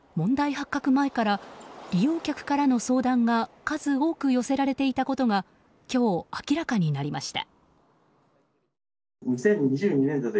発覚前から利用客からの相談が数多く寄せられていたことが今日、明らかになりました。